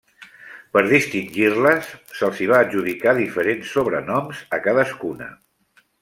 Per distingir-les, se'ls hi va adjudicar diferents sobrenoms a cadascuna.